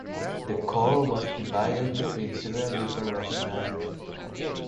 The Court was divided between several different rationales.